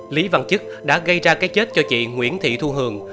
lý văn chức đã gây ra cái chết cho chị nguyễn thị thu hường